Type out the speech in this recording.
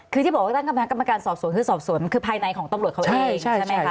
คือที่บอกว่าตั้งคณะกรรมการสอบสวนคือสอบสวนคือภายในของตำรวจเขาเองใช่ไหมคะ